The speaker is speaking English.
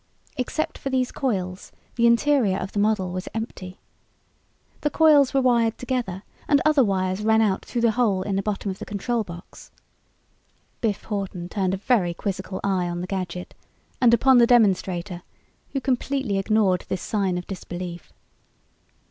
Except for these coils the interior of the model was empty. The coils were wired together and other wires ran out through the hole in the bottom of the control box. Biff Hawton turned a very quizzical eye on the gadget and upon the demonstrator who completely ignored this sign of disbelief.